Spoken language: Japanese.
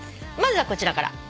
まずはこちらから。